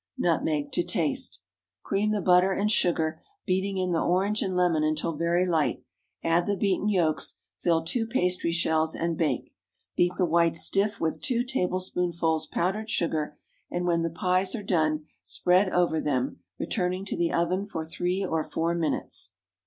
Nutmeg to taste. Cream the butter and sugar, beating in the orange and lemon until very light; add the beaten yolks, fill two pastry shells and bake. Beat the whites stiff with two tablespoonfuls powdered sugar, and when the pies are done, spread over them, returning to the oven for three or four minutes.